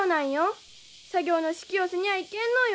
作業の指揮をせにゃあいけんのよ。